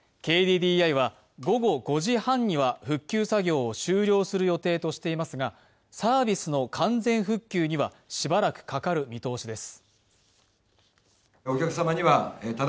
ＫＤＤＩは午後５時半には復旧作業を終了する予定としていますがサービスの完全復旧には、しばらくかかる見通しです。